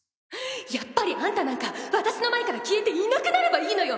やっぱりあんたなんか私の前から消えていなくなればいいのよ！！